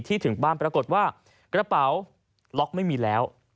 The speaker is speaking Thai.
ถึงบ้านปรากฏว่ากระเป๋าล็อกไม่มีแล้ว